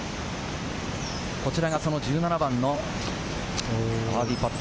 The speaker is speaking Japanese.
こちらが、その１７番のバーディーパット。